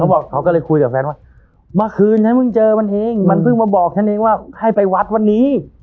บอกเขาก็เลยคุยกับแฟนว่าเมื่อคืนฉันเพิ่งเจอมันเองมันเพิ่งมาบอกฉันเองว่าให้ไปวัดวันนี้